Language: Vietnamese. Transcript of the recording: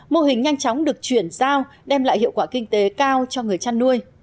mô hình nhanh chóng được chuyển giao đem lại hiệu quả kinh tế cao cho người chăn nuôi